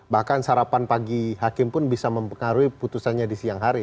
bahkan sarapan pagi hakim pun bisa mempengaruhi putusannya di siang hari